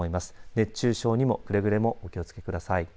熱中症にもくれぐれもお気をつけください。